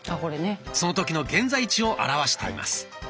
その時の現在地を表しています。